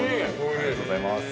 ◆ありがとうございます◆